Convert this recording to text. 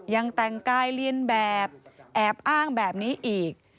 ยังแต่งกายเรียนแบบแอบอ้างแบบนี้อีก